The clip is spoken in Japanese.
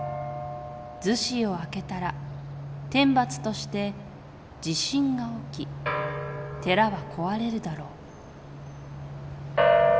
厨子を開けたら天罰として地震が起き寺は壊れるだろう。